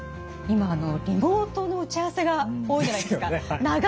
今リモートの打ち合わせが多いじゃないですか。ですよね。